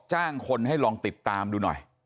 จ้างคนให้ลองติดตามดูหน่อย